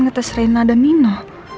ngetes rena dan nino